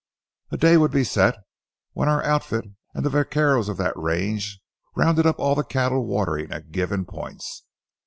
A day would be set, when our outfit and the vaqueros of that range rounded up all the cattle watering at given points.